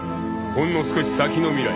［ほんの少し先の未来